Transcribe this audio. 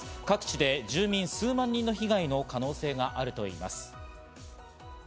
各地で住民数万人の被害の可能性があるといいます。